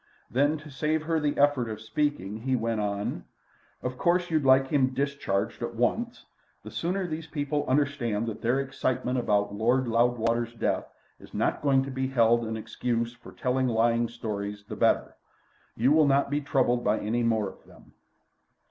Then, to save her the effort of speaking, he went on: "Of course you'd like him discharged at once. The sooner these people understand that their excitement about Lord Loudwater's death is not going to be held an excuse for telling lying stories the better. You will not be troubled by any more of them."